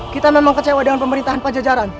kita memang kecewa dengan pemerintahan pajajaran